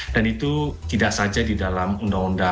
dan itu tidak saja di dalam undang undang